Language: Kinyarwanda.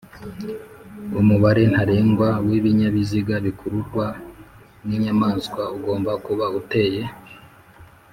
Umubare ntarengwa w’ibinyabiziga bikururwa n’inyamaswa ugomba kuba uteye